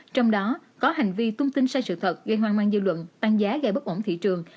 trong đó có hành vi tung tin sai sự thật gây hoang mang dư luận tăng giá gây bất ổn thị trường